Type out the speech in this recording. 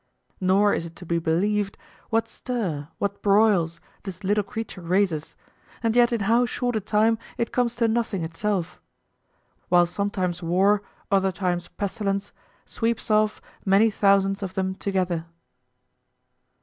Nor is it to be believed what stir, what broils, this little creature raises, and yet in how short a time it comes to nothing itself; while sometimes war, other times pestilence, sweeps off many thousands of them together.